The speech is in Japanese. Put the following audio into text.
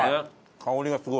香りがすごい。